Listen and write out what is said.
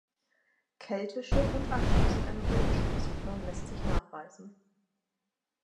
Keltische und anschließend eine römische Besiedelung lässt sich nachweisen.